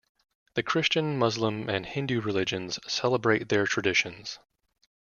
The Christian, Muslim, and Hindu religions celebrate their traditions.